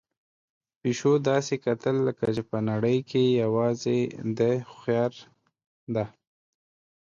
پيشو داسې کتل لکه چې په نړۍ کې یوازې ده هوښیار ده.